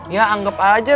ya anggap aja